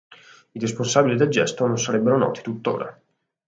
I responsabili del gesto non sarebbero noti tuttora.